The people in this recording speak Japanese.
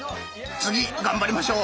次頑張りましょう。